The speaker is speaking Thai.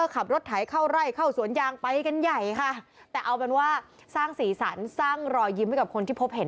ก็ได้สร้างรอยยิ้มสร้างความสุขให้กับคนที่พบเห็น